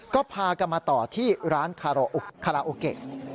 ก็พากันมาต่อที่ร้านคาราโอเกะ